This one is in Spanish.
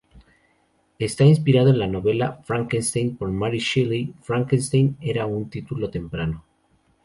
Está inspirado en la novela "Frankenstein" por Mary Shelley; "Frankenstein" era un título temprano.